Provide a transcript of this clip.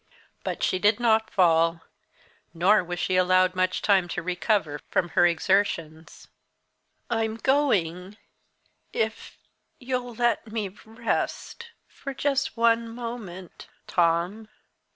But she did not fall nor was she allowed much time to recover from her exertions. "I'm going if you'll let me rest for just one moment Tom.